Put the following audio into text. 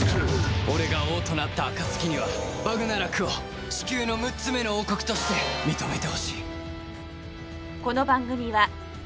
俺が王となった暁にはバグナラクをチキューの６つ目の王国として認めてほしい。